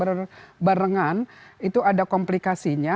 berbarengan itu ada komplikasinya